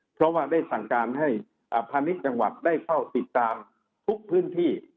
เพราะว่าได้สั่งการให้พาณิชย์จังหวัดได้เฝ้าติดตามทุกพื้นที่